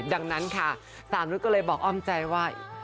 ดังนั้นค่ะสามนุษย์ก็เลยบอกอ้อมใจว่า